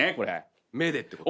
目でってこと？